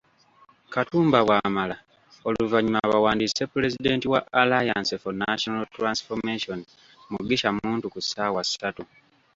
Katumba bw'amala oluvannyuma bawandiise Pulezidenti wa Alliance for National Transformation, Mugisha Muntu ku ssaawa ssatu.